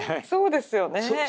そうですよね。